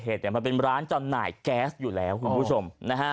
เกิดเหตุมันเป็นร้านจำหน่ายแก๊สอยู่แล้วคุณผู้ชม